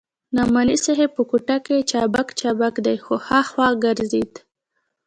نعماني صاحب په کوټه کښې چابک چابک دې خوا ها خوا ګرځېده.